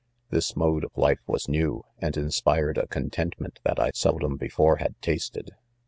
—• This mode of life was new, and inspired a con tentment that I seldom before had tasted.